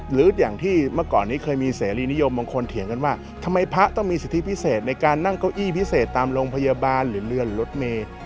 หรืออย่างที่เมื่อก่อนนี้เคยมีเสรีนิยมบางคนเถียงกันว่าทำไมพระต้องมีสิทธิพิเศษในการนั่งเก้าอี้พิเศษตามโรงพยาบาลหรือเรือนรถเมย์